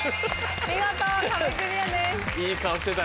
見事壁クリアです。